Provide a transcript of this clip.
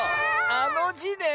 あの「じ」ね。